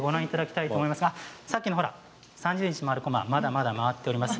さっきの３０日回るこままだまだ回っています。